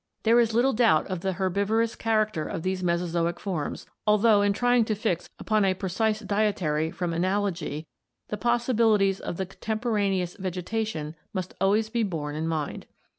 There is little doubt of the herbivorous character of these Mesozoic forms, although in trying to fix upon a precise dietary from analogy the possibilities of the contemporaneous vegetation must always be borne in mind.